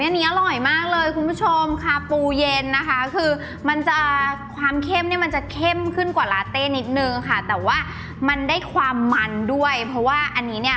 อันนี้อร่อยมากเลยคุณผู้ชมค่ะปูเย็นนะคะคือมันจะความเข้มเนี่ยมันจะเข้มขึ้นกว่าลาเต้นิดนึงค่ะแต่ว่ามันได้ความมันด้วยเพราะว่าอันนี้เนี่ย